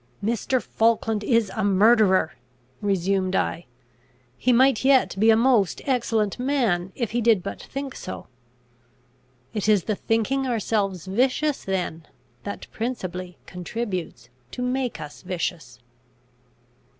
"Mr. Falkland is a murderer!" resumed I. "He might yet be a most excellent man, if he did but think so." It is the thinking ourselves vicious then, that principally contributes to make us vicious.